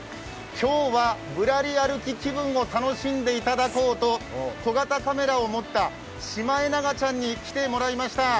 今日はぶらり歩き気分を楽しんでいただこうと小型カメラを持ったシマエナガちゃんに来てもらいました。